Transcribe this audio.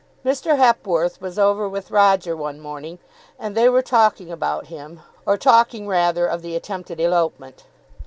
Mr. Hepworth was over with Roger one morning, and they were talking about him, or talking rather of the attempted elopement.